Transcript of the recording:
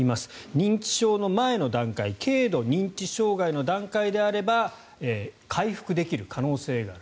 認知症の前の段階軽度認知障害の段階であれば回復できる可能性がある。